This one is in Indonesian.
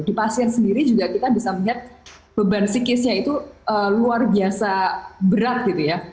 di pasien sendiri juga kita bisa melihat beban psikisnya itu luar biasa berat gitu ya